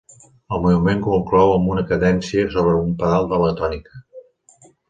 El moviment conclou amb una cadència sobre un pedal de la tònica.